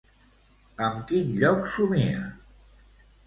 Amb quin lloc somia?